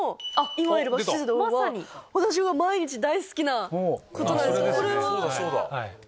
私が毎日大好きなことなんですけどこれは？